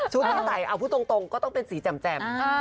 ที่ใส่เอาพูดตรงก็ต้องเป็นสีแจ่ม